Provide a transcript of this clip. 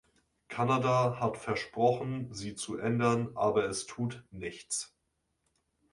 Kanada hat versprochen, sie zu ändern, aber es tut nichts.